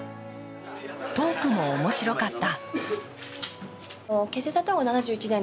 トークも面白かった。